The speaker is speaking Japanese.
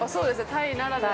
タイならではの。